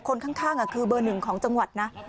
คนข้างคือเบอร์หนึ่งของจังหวัดนะ